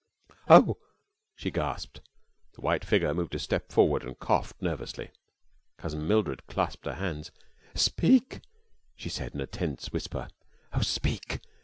] "Oh!" she gasped. The white figure moved a step forward and coughed nervously. Cousin Mildred clasped her hands. "Speak!" she said, in a tense whisper. "Oh, speak!